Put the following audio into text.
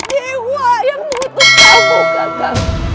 dewa yang memutuskanmu kakak